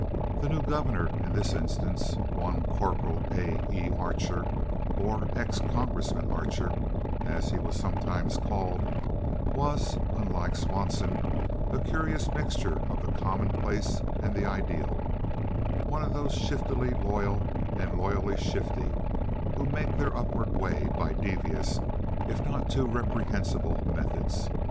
The new governor in this instance—one Corporal A. E. Archer—or ex Congressman Archer, as he was sometimes called—was, unlike Swanson, a curious mixture of the commonplace and the ideal—one of those shiftily loyal and loyally shifty who make their upward way by devious, if not too reprehensible methods.